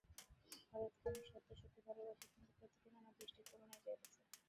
ভারতকে আমি সত্য-সত্যই ভালবাসি, কিন্তু প্রতিদিন আমার দৃষ্টি খুলিয়া যাইতেছে।